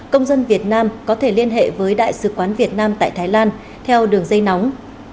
công dân việt nam có thể liên hệ với đại sứ quán việt nam tại thái lan theo đường dây nóng